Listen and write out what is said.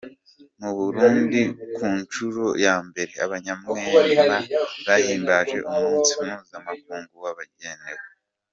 Mu Burundi ku ncuro ya mbere abanyamwema bahimbaje umunsi mpuzamakungu wabagenewe.